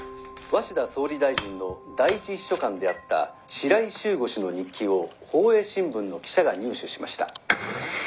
鷲田総理大臣の第一秘書官であった白井柊吾氏の日記を報栄新聞の記者が入手しました。